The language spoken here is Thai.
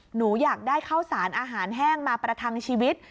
หนูอยากได้ข้าวสารอาหารแห้งมาประทังชีวิต